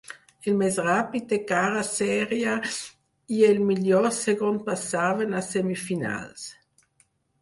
El més ràpid de cara sèrie i el millor segon passaven a semifinals.